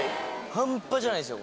半端じゃないっすよ